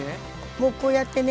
もうこうやってね